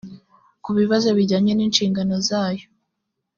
ku bibazo bijyanye n’inshingano zayo